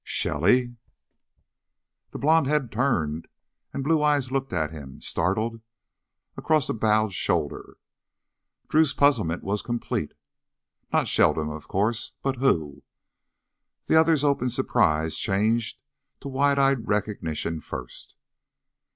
"Shelly!" The blond head turned, and blue eyes looked at him, startled, across a bowed shoulder. Drew's puzzlement was complete. Not Sheldon, of course, but who? The other's open surprise changed to wide eyed recognition first.